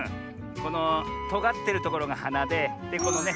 このとがってるところがはなでこのね